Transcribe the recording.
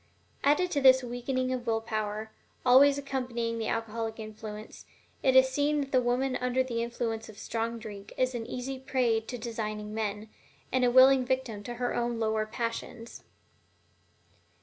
Added to this the weakening of will power always accompanying the alcoholic influence, it is seen that the woman under the influence of strong drink is an easy prey to designing men, and a willing victim to her own lower passions.